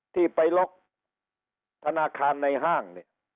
ที่ไปล็อกธนาคารในห้าง